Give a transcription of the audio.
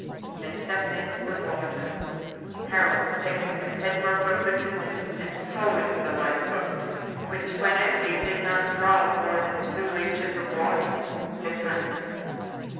They stepped into the water, Harold taking the head rope of the canoe and towing the light boat which, when empty, did not draw more than two inches of water behind him.